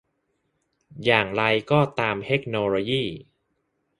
อย่างไรก็ตามเทคโนโลยี